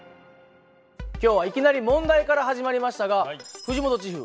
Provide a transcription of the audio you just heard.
今日はいきなり問題から始まりましたが藤本チーフ